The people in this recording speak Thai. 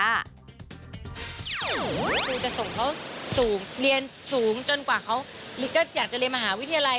คือจะส่งเขาสูงเรียนสูงจนกว่าเขาหรือก็อยากจะเรียนมหาวิทยาลัย